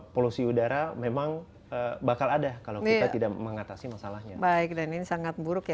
polusi udara memang bakal ada kalau kita tidak mengatasi masalahnya baik dan ini sangat buruk ya